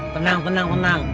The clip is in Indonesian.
tenang tenang tenang